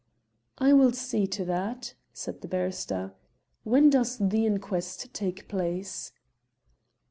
"I will see to that," said the barrister. "When does the inquest take place?"